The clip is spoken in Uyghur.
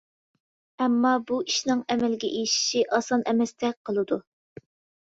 ئەمما بۇ ئىشنىڭ ئەمەلگە ئېشىشى ئاسان ئەمەستەك قىلىدۇ.